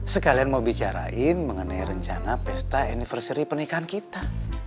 sekalian mau bicarain mengenai rencana pesta anniversary pernikahan kita